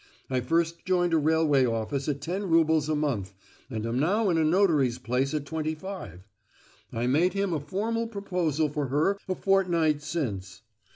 I first joined a railway office at ten roubles a month, and am now in a notary's place at twenty five. I made him a formal proposal for her a fortnight since.